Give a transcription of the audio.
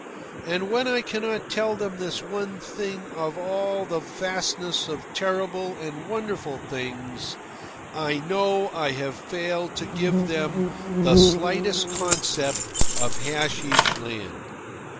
And when I cannot tell them this one thing of all the vastness of terrible and wonderful things, I know I have failed to give them the slightest concept of Hasheesh Land.